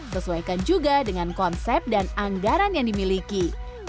sesuaikan juga dengan konsep dan anggaran yang dimiliki